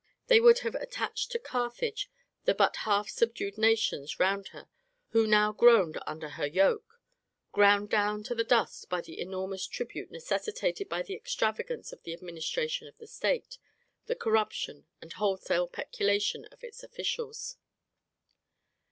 They would have attached to Carthage the but half subdued nations round her who now groaned under her yoke, ground down to the dust by the enormous tribute necessitated by the extravagance of the administration of the state, the corruption and wholesale peculation of its officials.